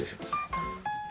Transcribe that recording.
どうぞ。